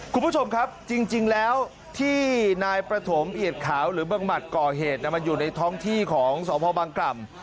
คุณผู้ชมครับจริงแล้วที่นายประถมเอียดขาวหรือบังหมัดก่อเหตุมันอยู่ในท้องที่ของสพบังกล่ำ